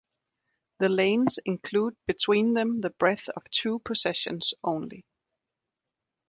The lanes include between them the breadth of two possessions only.